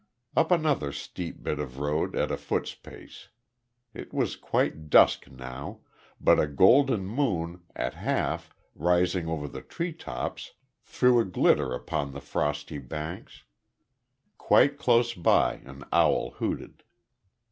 Up another steep bit of road at a foot's pace. It was quite dusk now, but a golden moon, at half, rising over the tree tops, threw a glitter upon the frosty banks. Quite close by an owl hooted.